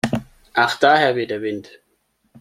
Ach daher weht der Wind.